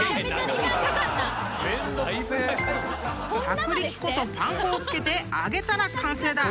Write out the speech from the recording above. ［薄力粉とパン粉を付けて揚げたら完成だ］